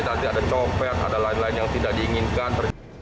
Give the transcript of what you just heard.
nanti ada copet ada lain lain yang tidak diinginkan